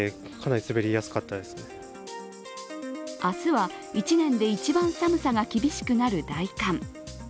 明日は一年で一番寒さが厳しくなる大寒。